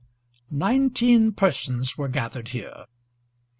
Nineteen persons were gathered here.